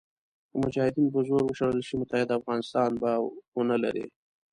که مجاهدین په زور وشړل شي متحد افغانستان به ونه لرئ.